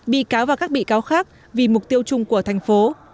bị cáo và các bị cáo khác vì mục tiêu chung của thành phố